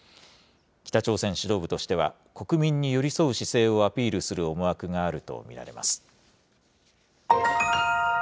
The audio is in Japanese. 北朝鮮指導部としては、国民に寄り添う姿勢をアピールする思惑があると見られます。